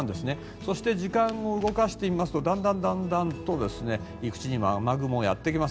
そして、時間を動かしてみますとだんだんと陸地にも雨雲がやってきます。